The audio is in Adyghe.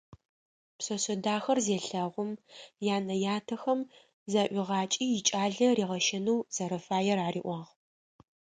Пшъэшъэ дахэр зелъэгъум янэ ятэхэм заӏуигъакӏи икӏалэ ригъэщэнэу зэрэфаер ариӏуагъ.